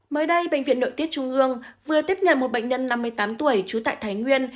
mới đây bệnh viện nội tiết trung ương vừa tiếp nhận một bệnh nhân năm mươi tám tuổi trú tại thái nguyên